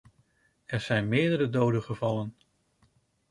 Er zijn meerdere doden gevallen.